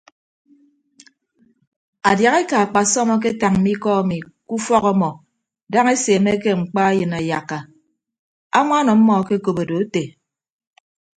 Adiahaeka akpasọm aketañ mme ikọ emi ke ufọk ọmọ daña eseemeke mkpa eyịn ayakka añwaan ọmmọ akekop odo ete.